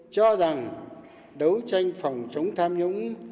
cho rằng đấu tranh phòng chống tham nhũng